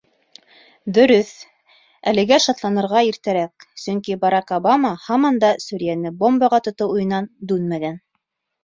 Дөрөҫ, әлегә шатланырға иртәрәк, сөнки Барак Обама һаман да Сүриәне бомбаға тотоу уйынан дүнмәгән.